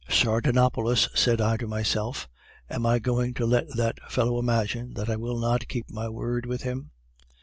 "'Sardanapalus!' said I to myself, 'am I going to let that fellow imagine that I will not keep my word with him?